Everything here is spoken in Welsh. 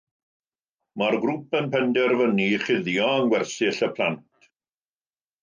Mae'r grŵp yn penderfynu ei chuddio yng ngwersyll y plant.